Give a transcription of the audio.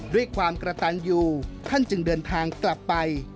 ด้วยความกระตันอยู่ท่านจึงเดินทางกลับไป